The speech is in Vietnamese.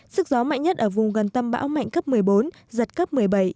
sức gió mạnh nhất ở vùng gần tâm bão mạnh cấp một mươi bốn giật cấp một mươi bảy